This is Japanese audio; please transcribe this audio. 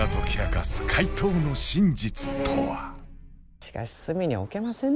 しかし隅に置けませんね